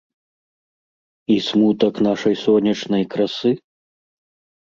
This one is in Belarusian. І смутак нашай сонечнай красы?